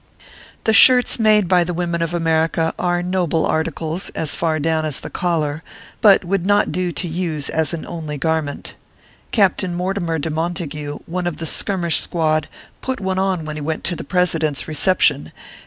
The shirts made by the women of America are noble .articles, as far down as the collar ; but would not do to use as an only garment. Captain Mortimer de Montague, one of the skirmish squad, put one on when he went to the President s Reception, and the 44 ORPHEUS C.